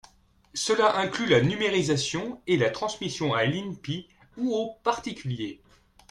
Cela inclut la numérisation et la transmission à l’INPI ou aux particuliers.